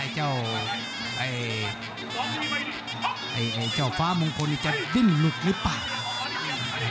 เจ้าไอ้เจ้าฟ้ามงคลเนี่ยจะดึ้นหลุดหรือเปล่า